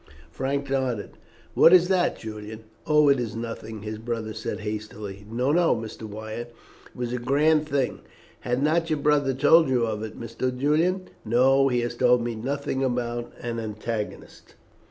Frank nodded. "What is that?" Julian asked. "Oh, it is nothing," his brother said hastily. "No, no, Mr. Wyatt, it was a grand thing. Has not your brother told you of it, Mr. Julian?" "No, he has told me nothing about an antagonist."